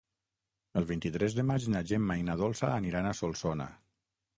El vint-i-tres de maig na Gemma i na Dolça aniran a Solsona.